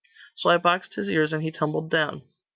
So I boxed his ears, and he tumbled down.